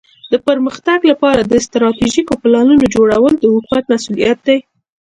د پرمختګ لپاره د استراتیژیکو پلانونو جوړول د حکومت مسؤولیت دی.